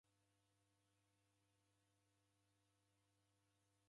Ni suti dilindie w'aisanga.